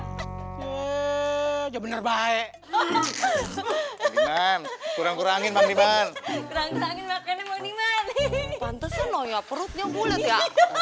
hai ya bener baik kurang kurangin mbak liman pantesan noya perutnya boleh ya